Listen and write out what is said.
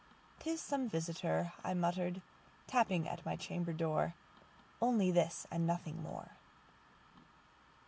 "'T is some visitor," I muttered, "tapping at my chamber door; Only this and nothing more."